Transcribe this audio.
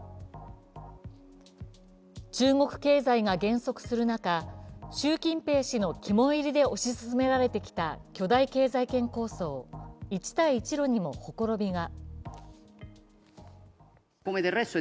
中国経済が減速する中、習近平氏の肝煎りで推し進められてきた巨大経済圏構想、一帯一路にもほころびが。